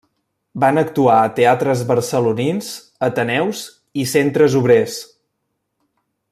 Van actuar a teatres barcelonins, ateneus i centres obrers.